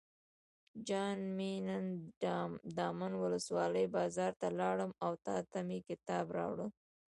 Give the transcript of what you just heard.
جان مې نن دامن ولسوالۍ بازار ته لاړم او تاته مې کتاب راوړل.